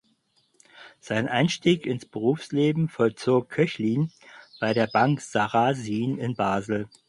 Seinen Einstieg ins Berufsleben vollzog Koechlin bei der Bank Sarasin in Basel.